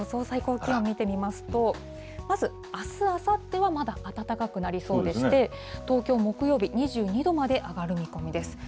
最高気温見てみますと、まずあす、あさってはまだ暖かくなりそうでして、東京、木曜日２２度まで上がる見込みです。